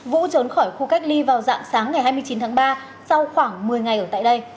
vũ trốn khỏi khu cách ly vào dạng sáng ngày hai mươi chín tháng ba sau khoảng một mươi ngày ở tại đây